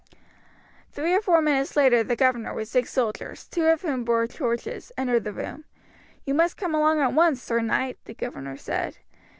Three or four minutes later the governor with six soldiers, two of whom bore torches, entered the room. "You must come along at once, sir knight," the governor said.